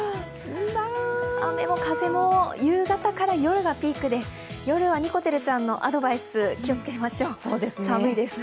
雨も風も夕方から夜がピークで、夜はにこてるちゃんのアドバイス気をつけましょう、寒いです。